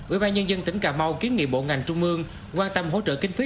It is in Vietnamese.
ubnd tỉnh cà mau kiến nghị bộ ngành trung mương quan tâm hỗ trợ kinh phí